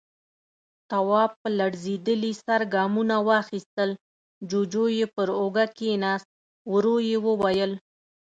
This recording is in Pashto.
تواب په ځړېدلي سر ګامونه واخيستل، جُوجُو يې پر اوږه کېناست، ورو يې وويل: